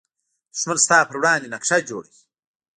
دښمن ستا پر وړاندې نقشه جوړوي